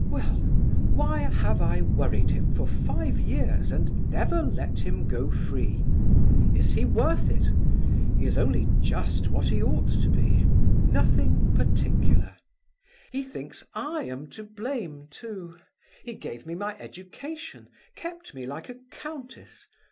"Well, why have I worried him, for five years, and never let him go free? Is he worth it? He is only just what he ought to be—nothing particular. He thinks I am to blame, too. He gave me my education, kept me like a countess.